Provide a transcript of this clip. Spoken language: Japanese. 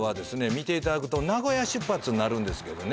見ていただくと名古屋出発になるんですけどね